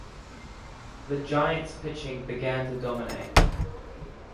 The Giants pitching began to dominate.